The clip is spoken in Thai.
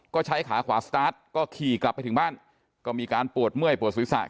ก็ใช้ขาขวาสตาร์ทก็ขี่กลับไปถึงบ้านก็มีการปวดเมื่อยปวดศีรษะ